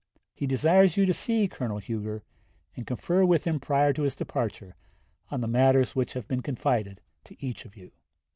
He desires you to see Colonel Huger, and confer with him prior to his departure on the matters which have been confided to each of you."